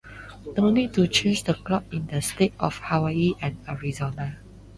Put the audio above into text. No need to change the clocks in the states of Hawaii and Arizona.